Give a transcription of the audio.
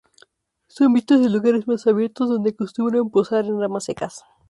Son vistos en lugares más abiertos donde acostumbran posar en ramas secas.